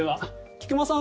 菊間さん